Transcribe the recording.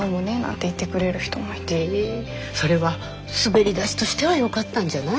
へえそれは滑り出しとしてはよかったんじゃない？